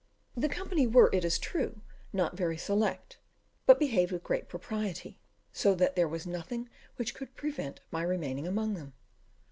The company were, it is true, not very select, but behaved with great propriety, so that there was nothing which could prevent my remaining among them.